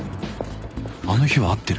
あの日は会ってる